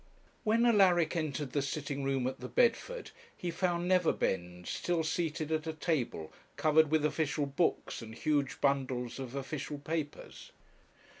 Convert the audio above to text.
When Alaric entered the sitting room at the Bedford, he found Neverbend still seated at a table covered with official books and huge bundles of official papers.